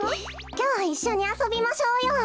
きょういっしょにあそびましょうよ。